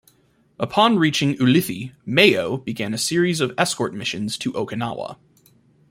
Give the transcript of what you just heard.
Upon reaching Ulithi, "Mayo" began a series of escort missions to Okinawa.